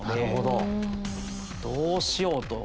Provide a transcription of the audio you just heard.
どうしようと。